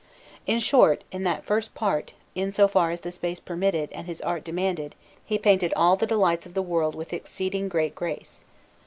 In short, in that first part, in so far as the space permitted and his art demanded, he painted all the delights of the world with exceeding great grace.